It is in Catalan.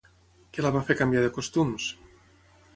Què la va fer canviar de costums?